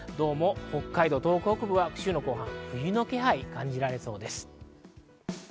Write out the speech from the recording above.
北海道、東北では冬の気配が感じられそうです。